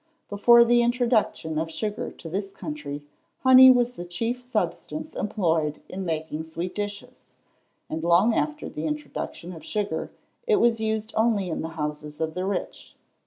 Before the introduction of sugar to this country, honey was the chief substance employed in making sweet dishes; and long after the introduction of sugar it was used only in the houses of the rich.